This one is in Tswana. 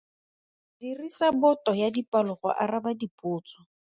Dirisa boto ya dipalo go araba dipotso.